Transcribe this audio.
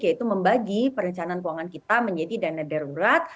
yaitu membagi perencanaan keuangan kita menjadi dana darurat